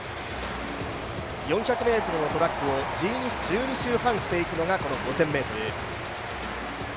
４００ｍのトラックを１２周半していくのが、この５０００ｍ。